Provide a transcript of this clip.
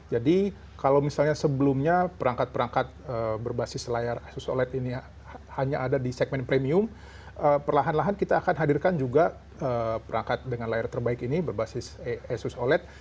jadi kalau misalnya sebelumnya perangkat perangkat berbasis layar asus oled ini hanya ada di segmen premium perlahan lahan kita akan hadirkan juga perangkat dengan layar terbaik ini berbasis asus oled